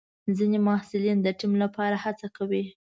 ځینې محصلین د ټیم لپاره هڅه کوي.